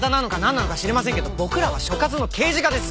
んなのか知りませんけど僕らは所轄の刑事課です！